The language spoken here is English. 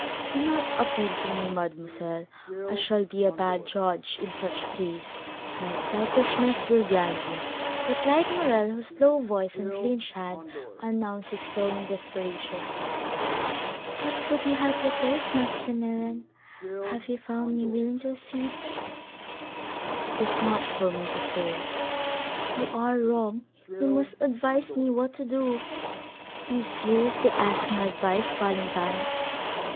"Do not appeal to me, mademoiselle; I shall be a bad judge in such a case; my selfishness will blind me," replied Morrel, whose low voice and clenched hands announced his growing desperation. "What would you have proposed, Maximilian, had you found me willing to accede?" "It is not for me to say." "You are wrong; you must advise me what to do." "Do you seriously ask my advice, Valentine?"